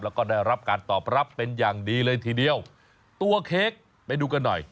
แล้วก็ได้รับการตอบรับเป็นอย่างดีเลยทีเดียวตัวเค้กไปดูกันหน่อย